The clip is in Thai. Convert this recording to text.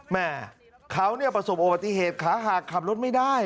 แม่เขาประสบอุบัติเหตุขาหักขับรถไม่ได้